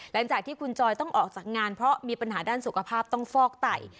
หลังจากที่คุณจอยต้องออกจากงานเพราะมีปัญหาด้านสุขภาพต้องฟอกไต